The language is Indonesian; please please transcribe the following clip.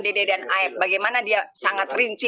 dede dan af bagaimana dia sangat rinci